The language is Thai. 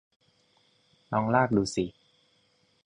ลองลากดูสิ